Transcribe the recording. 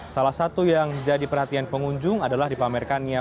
salah satu yang jadi perhatian pengunjung adalah dipamerkannya